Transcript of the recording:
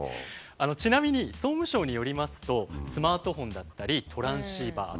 ちなみに総務省によりますとスマートフォンだったりトランシーバー